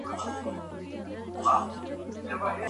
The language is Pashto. ولي د څارویو حقونو ته پاملرنه کیږي؟